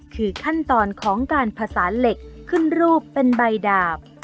คือขั้นตอนของการผสานเหล็กขึ้นรูปเป็นใบดาบ